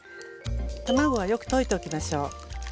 卵はよく溶いておきましょう。